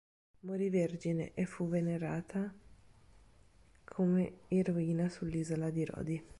Morì vergine è fu venerata come eroina sull'isola di Rodi.